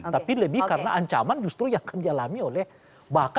tapi lebih karena ancaman justru yang akan dialami oleh bahkan politisi politisi yang lainnya